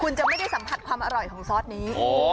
คุณจะไม่ได้สัมผัสความอร่อยของซอสนี้